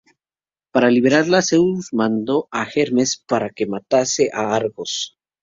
Para liberarla, Zeus mandó a Hermes que matase a Argos.